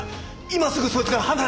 今すぐそいつから離れろ！